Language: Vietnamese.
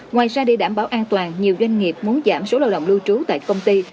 ngoài ra để đảm bảo an toàn nhiều doanh nghiệp muốn giảm số lao động lưu trú tại công ty